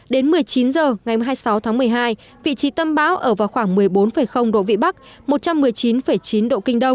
đến một mươi chín h ngày hai mươi sáu tháng một mươi hai vị trí tâm bão ở vào khoảng một mươi bốn độ vn một trăm một mươi chín chín độ k